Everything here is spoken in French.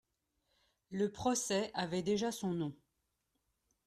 Le procès avait déjà son nom!